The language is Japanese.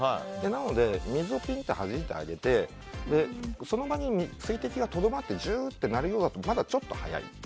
なので、水を垂らしてはじいてあげてその場に水滴がとどまってジューってなるようだとまだちょっと早い。